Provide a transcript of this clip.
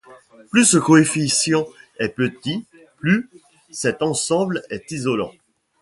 Plus ce coefficient est petit, plus cet ensemble est isolant.